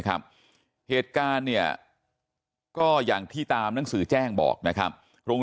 เหตุการณ์เนี่ยก็อย่างที่ตามหนังสือแจ้งบอกนะครับโรง